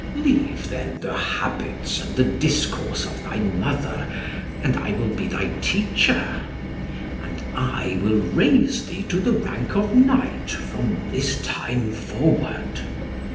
Leave, then, the habits and the discourse of thy mother, and I will be thy teacher; and I will raise thee to the rank of knight from this time forward.